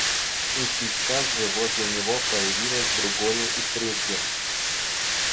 И сейчас же возле него появилось другое и третье.